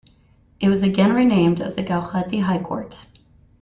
It was again renamed as the Gauhati High Court.